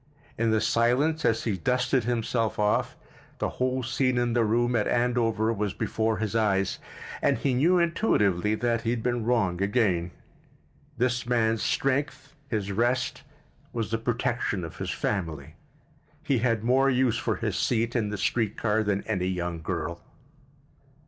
In the silence, as he dusted himself off, the whole scene in the room at Andover was before his eyes— and he knew intuitively that he had been wrong again. This man's strength, his rest, was the protection of his family. He had more use for his seat in the street car than any young girl.